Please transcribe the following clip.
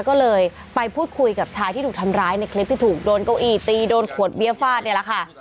ก็เลยไปพูดคุยกับชายที่ถูกทำร้ายในคลิปที่ถูกโดนเก้าอี้ตีโดนขวดเบียร์ฟาดนี่แหละค่ะ